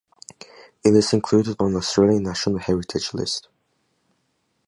It is included on the Australian National Heritage List.